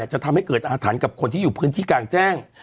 จะทำให้เกิดอาถรรพ์กับคนที่อยู่พื้นที่กลางแจ้ง